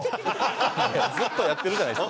いやずっとやってるじゃないですか。